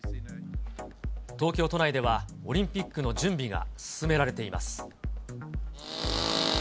東京都内では、オリンピックの準備が進められています。